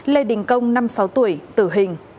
lê đình công năm sáu tuổi tử hình